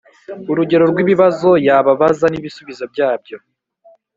Urugero rw’ibibazo yababaza n’ibisubizo byabyo